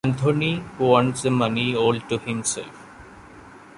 Anthony wants the money all to himself.